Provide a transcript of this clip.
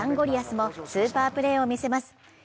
リアスもスーパープレーを見せます。